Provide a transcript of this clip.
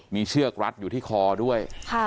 มีเชือกรัดอยู่ที่คอด้วย